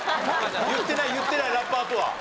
言ってない言ってないラッパーとは。